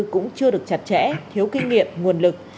cũng chưa được chặt chẽ thiếu kinh nghiệm nguồn lực